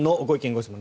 ・ご質問